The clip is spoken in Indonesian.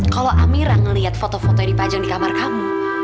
kalau amirah ngelihat foto fotonya dipajang di kamar kamu